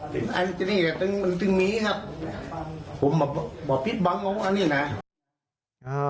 ผมบอกพี่บ้างว่าอันนี้นะ